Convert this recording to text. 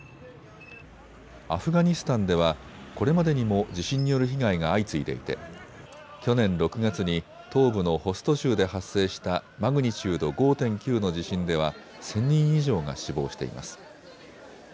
アフガニスタンではこれまでにも地震による被害が相次いでいて去年６月に東部のホスト州で発生したマグニチュード５．９の地震では１０００人以上が死亡しています。